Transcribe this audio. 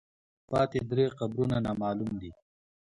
پاتې درې قبرونه نامعلوم دي.